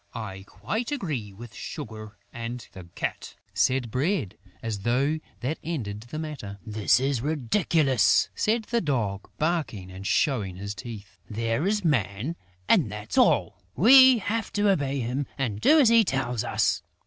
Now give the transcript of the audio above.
"I quite agree with Sugar and the Cat," said Bread, as though that ended the matter. "This is ridiculous!" said the Dog, barking and showing his teeth. "There is Man and that's all!... We have to obey him and do as he tells us!...